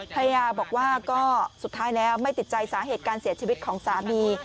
ภรรยาบอกว่าก็สุดท้ายแล้วไม่ติดใจสาเหตุการเสียชีวิตของสามี